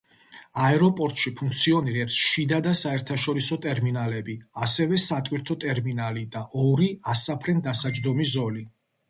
აეროპორტში ფუნქციონირებს შიდა და საერთაშორისო ტერმინალები, ასევე სატვირთო ტერმინალი და ორი ასაფრენ-დასაჯდომი ზოლი.